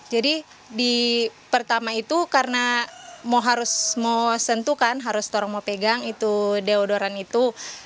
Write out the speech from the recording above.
jadi di pertama itu karena harus sentuhkan harus tolong pegang deodorant itu